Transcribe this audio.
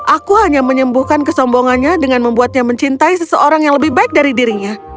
aku hanya menyembuhkan kesombongannya dengan membuatnya mencintai seseorang yang lebih baik dari dirinya